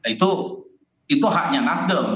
itu itu hanya nasdem